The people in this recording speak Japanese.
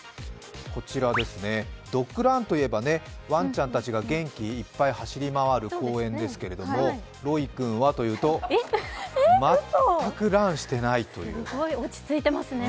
ドッグランといえばワンちゃんたちが元気いっぱい走り回る公園ですけれども、ロイル君はというと全くランしてない。